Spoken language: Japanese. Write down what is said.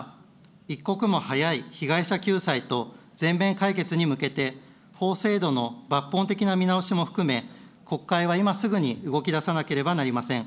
一刻も早い被害者救済と全面解決に向けて、法制度の抜本的な見直しも含め、国会は今すぐに動きださなければなりません。